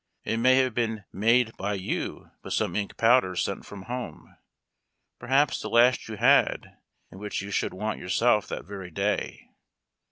It may have been made by you with some ink powders sent from liome — perhaps the last you had and which you should want yourself that very day.